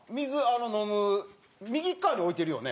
あの飲む右側に置いてるよね。